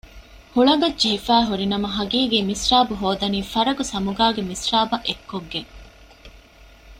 ހުޅަނގަށް ޖެހިފައި ހުރި ނަމަ ހަގީގީ މިސްރާބު ހޯދަނީ ފަރަގު ސަމުގާގެ މިސްރާބަށް އެއްކޮށްގެން